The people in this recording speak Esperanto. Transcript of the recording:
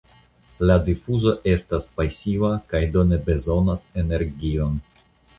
La difuzo estas pasiva kaj do ne bezonas energion.